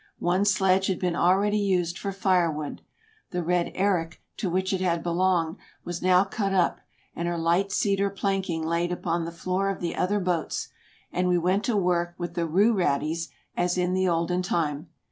One sledge had been already used for firewood; the "Red Eric," to which it had belonged, was now cut up, and her light cedar planking laid upon the floor of the other boats, and we went to work with the rue raddies as in the olden time.